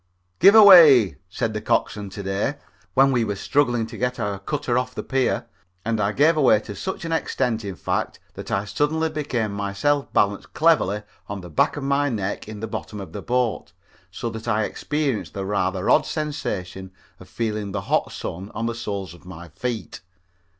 _ "Give away," said the coxswain to day, when we were struggling to get our cutter off from the pier, and I gave away to such an extent, in fact, that I suddenly found myself balanced cleverly on the back of my neck in the bottom of the boat, so that I experienced the rather odd sensation of feeling the hot sun on the soles of my feet.